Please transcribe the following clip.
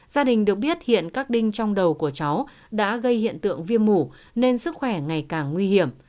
gia đình được biết hiện các đinh trong đầu của cháu đã gây hiện tượng viêm mủ nên sức khỏe ngày càng nguy hiểm